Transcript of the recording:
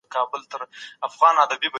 سیمه ییزه همکاري اقتصاد ته وده ورکوي.